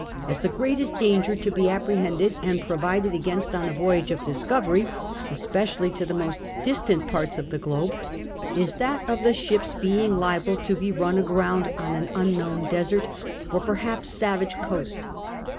as the greatest danger to be apprehended and pro vided against on a voyage of discovery, especially to the most distant parts of the globe, is that of the ship's being liable to be run aground on an unknown desert, or perhaps savage coast.